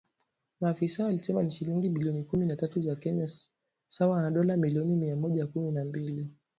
Maafisa walisema ni shilingi bilioni kumi na tatu za Kenya sawa na dola milioni mia moja kumi na mbili